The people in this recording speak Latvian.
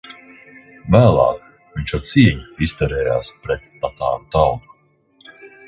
Vēlāk viņš ar cieņu izturējās pret tatāru tautu.